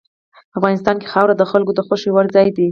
افغانستان کې خاوره د خلکو د خوښې وړ ځای دی.